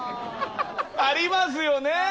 ありますよね？